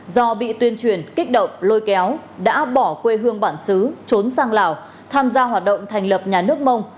do bị tuyên truyền kích động lôi kéo đã bỏ quê hương bản xứ trốn sang lào tham gia hoạt động thành lập nhà nước mông